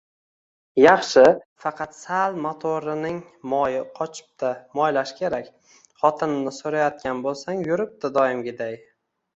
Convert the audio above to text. - Yaxshi, faqat sal motorining moyi qochibdi, moylash kerak. Xotinimni soʻrayotgan boʻlsang, yuribdi doimgidek..